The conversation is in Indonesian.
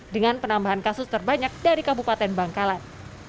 dengan penambahan kasus terbanyak dari kabupaten bangkalan